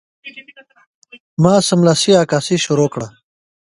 ما سملاسي عکاسي شروع کړه.